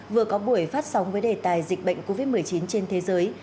vừa có buổi phát sóng với đề tài dịch bệnh covid một mươi chín trên thế giới